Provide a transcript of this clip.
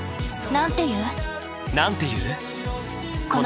なんて言う？